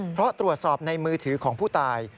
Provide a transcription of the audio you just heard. เพราะตรวจสอบในมือถือของผู้ตาย